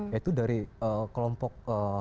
yaitu dari kelompok